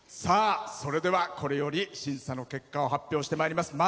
それでは、これより審査の結果を発表してまいります。